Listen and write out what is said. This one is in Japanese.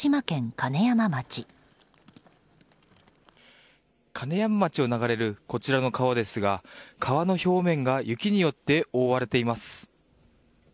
金山町を流れる川ですが川の表面が雪によって覆われています。